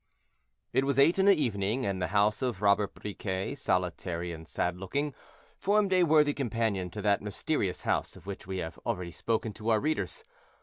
It was eight in the evening, and the house of Robert Briquet, solitary and sad looking, formed a worthy companion to that mysterious house of which we have already spoken to our readers.